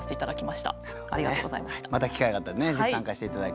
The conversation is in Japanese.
また機会があったらねぜひ参加して頂きたいと思います。